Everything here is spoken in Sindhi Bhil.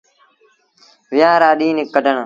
ويهآݩ رآ ڏيٚݩهݩ ڪڍڻ۔